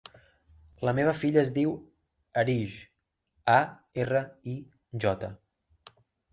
La meva filla es diu Arij: a, erra, i, jota.